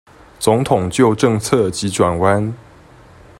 總統就政策急轉彎